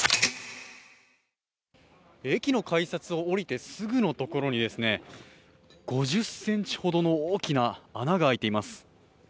駅の改札を降りてすぐのところに５０ｃｍほどの大きな穴が開いています。